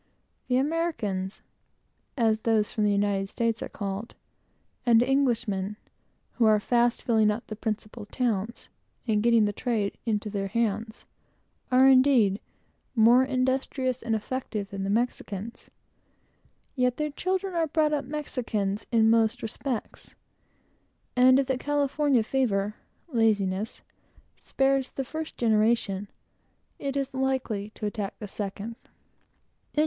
The Americans (as those from the United States are called) and Englishmen, who are fast filling up the principal towns, and getting the trade into their hands, are indeed more industrious and effective than the Spaniards; yet their children are brought up Spaniards, in every respect, and if the "California fever" (laziness) spares the first generation, it always attacks the second.